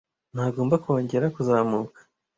ntagomba kongera kuzamuka